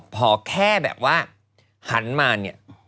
พอแค่แบบว่าหันมา